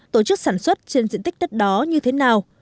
tổ chức sản xuất trên diện tích đất đó như thế nào